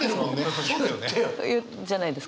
じゃないですか？